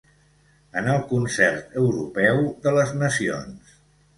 En el concert europeu de les nacions.